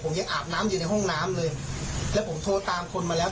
ผมยังอาบน้ำอยู่ในห้องน้ำเลยแล้วผมโทรตามคนมาแล้ว